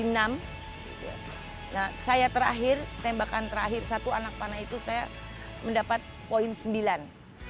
nah saya terakhir tembakan terakhir satu anak panah itu saya mendapat poin sembilan